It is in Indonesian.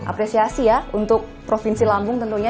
apresiasi ya untuk provinsi lambung tentunya